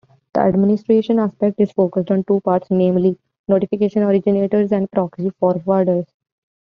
The administration aspect is focused on two parts, namely notification originators and proxy forwarders.